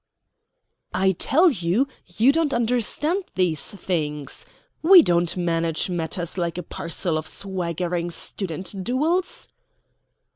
"I tell you you don't understand these things. We don't manage matters like a parcel of swaggering student duels."